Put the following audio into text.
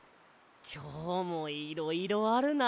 きょうもいろいろあるな。